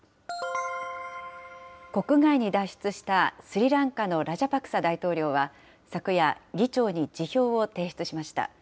国外に脱出したスリランカのラジャパクサ大統領は、昨夜、議長に辞表を提出しました。